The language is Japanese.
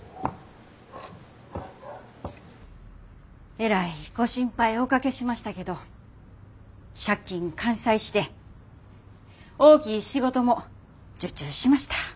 えらいご心配おかけしましたけど借金完済して大きい仕事も受注しました。